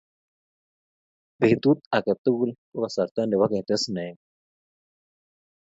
Petut age tugul ko kasarta nebo ketes naengung